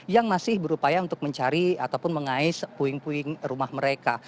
yang masih berupaya untuk mencari ataupun mengais puing puing rumah mereka